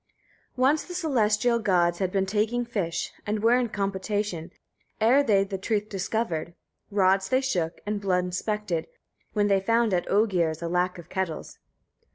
1. Once the celestial gods had been taking fish, and were in compotation, ere they the truth discovered. Rods they shook, and blood inspected, when they found at Oegir's a lack of kettles.